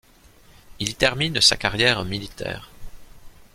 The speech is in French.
Il y termine sa carrière militaire.